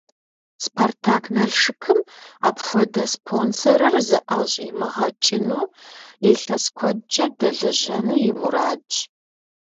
«Спартак-Налшыкым» апхуэдэ спонсорыр зыӀэщӀимыгъэкӀыну, илъэс куэдкӀэ дэлэжьэну и мурадщ.